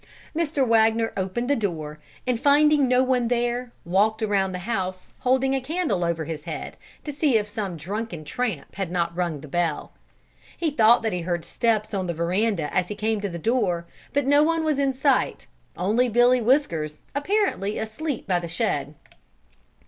Mr. Wagner opened the door, and finding no one there, walked around the house holding a candle over his head to see if some drunken tramp had not rung the bell. He thought that he heard steps on the veranda as he came to the door, but no one was in sight only Billy Whiskers, apparently asleep by the shed.